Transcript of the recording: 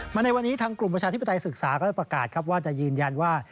ในวันนี้ทางกลุ่มประชาธิปไตยศึกษาก็ได้ประกาศครับว่าจะยืนยันว่า